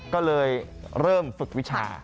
ก็เลยเริ่มฝึกวิชา